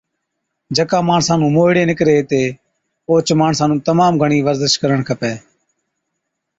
جڪا ماڻسا نُون موهِيڙي نِڪري هِتي اوهچ ماڻسا نُون تمام گھڻِي ورزش ڪرڻ کپَي